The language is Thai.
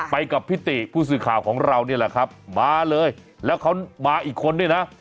ไปกับพี่ติผู้สื่อข่าวของเรานี่แหละครับมาเลยแล้วเขามาอีกคนด้วยนะ